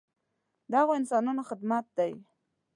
د هغو انسانانو خدمت دی.